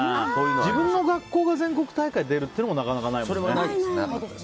自分の学校が全国大会出るっていうのもなかなかないですよね。